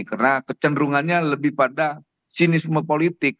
karena kecenderungannya lebih pada sinisme politik